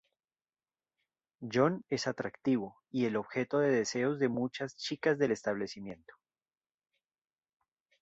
John es atractivo y el objeto de deseos de muchas chicas del establecimiento.